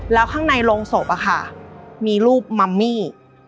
แล้วข้างในโรงศพมีรูปมัมมี่